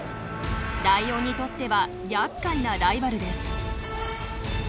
ライオンにとってはやっかいなライバルです。